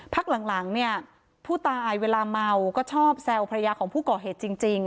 พักหลังเนี่ยผู้ตายเวลาเมาก็ชอบแซวภรรยาของผู้ก่อเหตุจริง